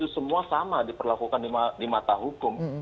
semua sama diperlakukan di mata hukum